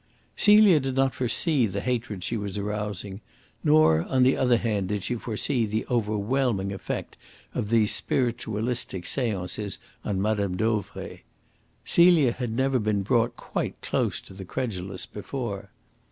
Celia did not foresee the hatred she was arousing; nor, on the other hand, did she foresee the overwhelming effect of these spiritualistic seances on Mme. Dauvray. Celia had never been brought quite close to the credulous before.